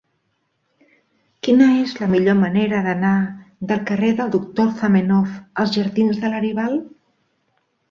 Quina és la millor manera d'anar del carrer del Doctor Zamenhof als jardins de Laribal?